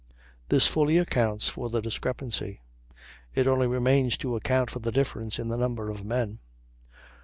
This fully accounts for the discrepancy. It only remains to account for the difference in the number of men.